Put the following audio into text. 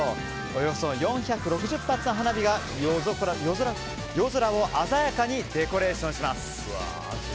およそ４６０発の花火が夜空を鮮やかにデコレーションします。